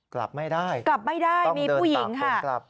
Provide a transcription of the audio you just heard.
กลับไม่ได้กลับไม่ได้มีผู้หญิงค่ะ